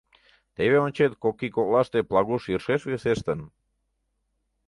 Теве ончет, кок ий коклаште Плагуш йӧршеш весештын.